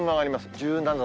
１７度。